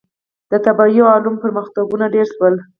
• د طبیعي علومو پرمختګونه ډېر شول.